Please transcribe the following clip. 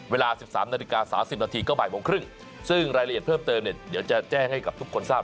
เวลา๑๓นาฬิกา๓๐นาทีก็บ่ายโมงครึ่งซึ่งรายละเอียดเพิ่มเติมเนี่ยเดี๋ยวจะแจ้งให้กับทุกคนทราบ